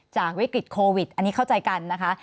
วิกฤตโควิดอันนี้เข้าใจกันนะคะ